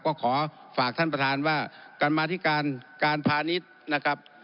ก็ขอฝากท่านประธานว่าการมาธิการการพาณิชย์นะครับ